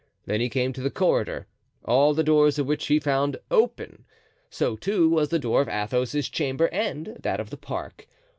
Then he came to the corridor, all the doors of which he found open; so, too, was the door of Athos's chamber and that of the park.